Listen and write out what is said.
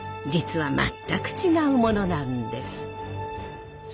実は全く違うものなんです。